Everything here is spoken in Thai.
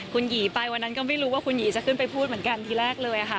คุณหยีไปวันนั้นก็ไม่รู้ว่าคุณหยีจะขึ้นไปพูดเหมือนกันทีแรกเลยค่ะ